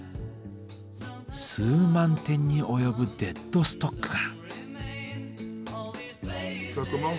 数万点に及ぶデッドストックが。